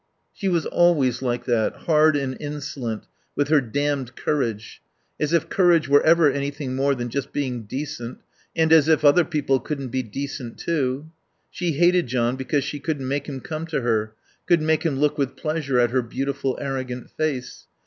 She was always like that, hard and insolent, with her damned courage. As if courage were ever anything more than just being decent, and as if other people couldn't be decent too. She hated John because she couldn't make him come to her, couldn't make him look with pleasure at her beautiful, arrogant face.